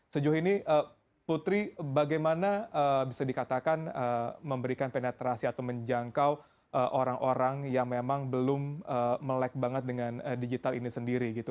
sejauh ini putri bagaimana bisa dikatakan memberikan penetrasi atau menjangkau orang orang yang memang belum melek banget dengan digital ini sendiri gitu